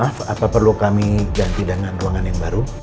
apa perlu kami ganti dengan ruangan yang baru